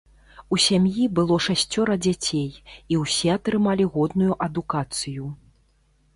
У сям'і было шасцёра дзяцей, і ўсе атрымалі годную адукацыю.